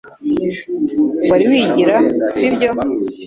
Wari wigira si byo